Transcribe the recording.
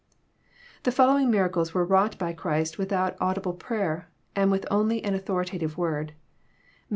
The following miracles were wrought by Christ without audi ble prayer, and with only an authoritative word, Matt.